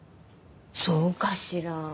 そうかしら？